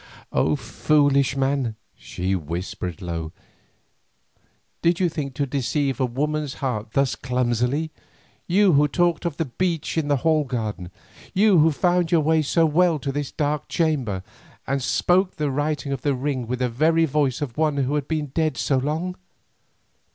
"Oh! foolish man," she whispered low, "did you think to deceive a woman's heart thus clumsily? You who talked of the beech in the Hall garden, you who found your way so well to this dark chamber, and spoke the writing in the ring with the very voice of one who has been dead so long.